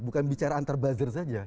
bukan bicara antar buzzer saja